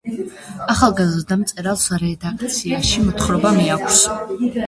ახალგაზრდა მწერალს რედაქციაში მოთხრობა მიაქვს.